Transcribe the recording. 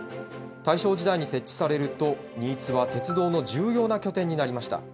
大正時代に設置されると、新津は鉄道の重要な拠点になりました。